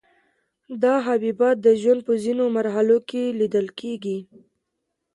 دا حبیبات د ژوند په ځینو مرحلو کې لیدل کیږي.